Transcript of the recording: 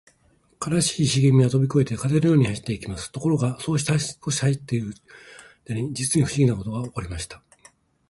低いしげみはとびこえて、風のように走っていきます。ところが、そうして少し走っているあいだに、じつにふしぎなことがおこりました。